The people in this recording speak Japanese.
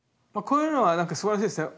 こういうのは何かすばらしいですよ。